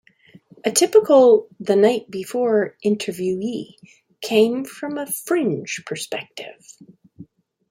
A typical The Night Before interviewee came from a fringe perspective.